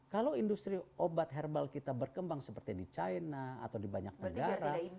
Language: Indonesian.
kalau industri obat herbal kita berkembang seperti di china atau di banyak negara